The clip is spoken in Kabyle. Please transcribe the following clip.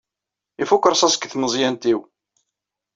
Ifuk rrṣaṣ deg tmeẓyant-inu.